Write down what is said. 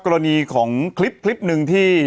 กรณีของคลิปหนึ่งที่